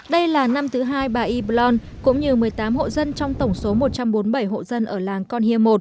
đây là năm thứ hai bà y blon cũng như một mươi tám hộ dân trong tổng số một trăm bốn mươi bảy hộ dân ở làng con hia một